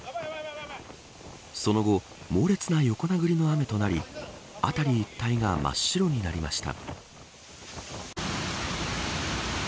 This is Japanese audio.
その後、猛烈な横殴りの雨となり辺り一帯が真っ白になりました。